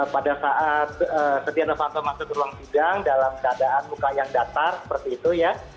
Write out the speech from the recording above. pada saat setia novanto masuk ke ruang sidang dalam keadaan muka yang datar seperti itu ya